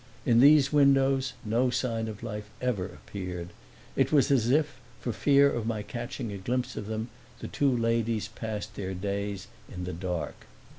In these windows no sign of life ever appeared; it was as if, for fear of my catching a glimpse of them, the two ladies passed their days in the dark.